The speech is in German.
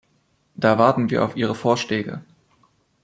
Da warten wir auf Ihre Vorschläge.